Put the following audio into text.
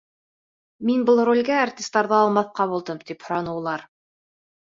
Мин был ролгә артистарҙы алмаҫҡа булдым. — тип һораны улар.